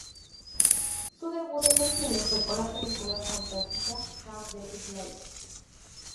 Su debut en el cine fue con la película fantástica "Hawk the Slayer".